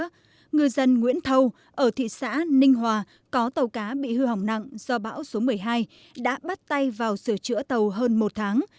trước đó ngư dân nguyễn thâu ở thị xã ninh hòa có tàu cá bị hư hỏng nặng do bão số một mươi hai đã bắt tay vào sửa chữa tàu hơn một tháng